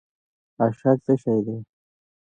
اشک څه شی دی؟